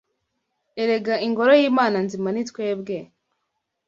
Erega ingoro y’Imana nzima ni twebwe